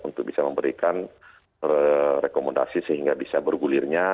untuk bisa memberikan rekomendasi sehingga bisa bergulirnya